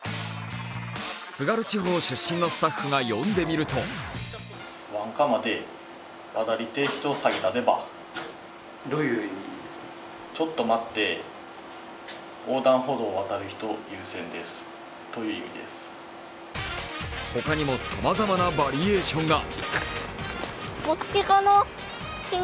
津軽地方出身のスタッフが読んでみると他にもさまざまなバリエーションが。